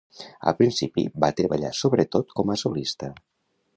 Al principi va treballar sobretot com a solista.